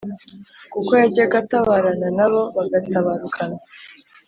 kuko yajyaga atabarana na bo bagatabarukana.